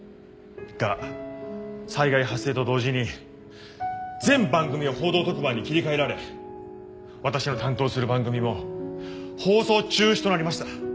が災害発生と同時に全番組を報道特番に切り替えられ私の担当する番組も放送中止となりました。